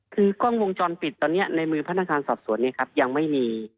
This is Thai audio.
คือกล้องวงจรปิดตอนนี้ในมือพนักงานสอบสวนเนี่ยครับยังไม่มี